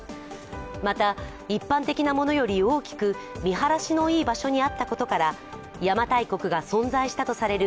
また一般的なものより大きく見晴らしのいい場所にあったことから邪馬台国が存在したとされる